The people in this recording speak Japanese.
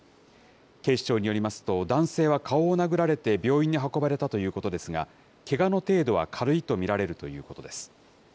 警視庁によりますと、男性は顔を殴られて病院に運ばれたということですが、けがの程度は軽いと見られるということです。